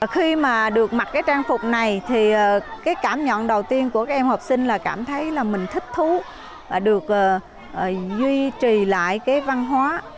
khi mà được mặc cái trang phục này thì cái cảm nhận đầu tiên của các em học sinh là cảm thấy là mình thích thú được duy trì lại cái văn hóa